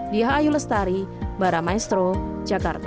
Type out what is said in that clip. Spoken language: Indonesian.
diah ayu lestari baramaestro jakarta